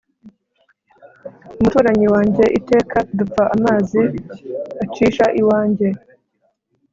Umuturanyi wanjye iteka dupfa amazi acisha iwanjye